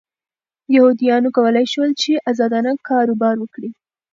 یهودیانو کولای شول چې ازادانه کاروبار وکړي.